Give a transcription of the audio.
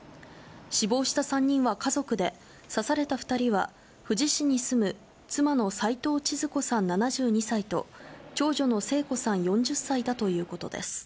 死亡した３人は家族で、刺された２人は富士市に住む妻の斉藤ちづ子さん７２歳と、長女の聖子さん４０歳だということです。